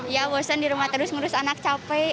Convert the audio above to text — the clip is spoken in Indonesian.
iya bosan di rumah terus ngerus anak capek